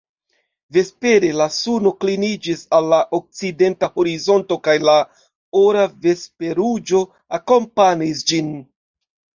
Vespere, la suno kliniĝis al la okcidenta horizonto kaj la ora vesperruĝo akompanis ĝin.